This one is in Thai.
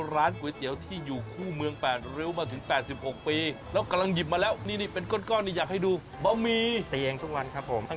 อร่อยจริงเด็ดมาก